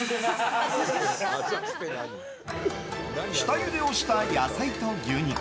下ゆでをした野菜と牛肉